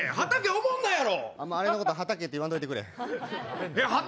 あれのこと畑って言わんといてくれ。